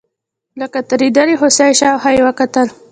لکه ترهېدلې هوسۍ شاوخوا یې وکتل.